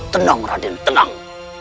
tenang raden tenang